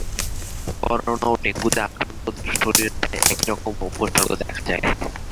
Corona ও ডেঙ্গুতে আক্রান্তদের শরীরে প্রায় একই রকম উপসর্গ দেখা যায়।